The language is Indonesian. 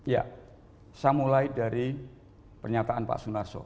ya saya mulai dari pernyataan pak sunarso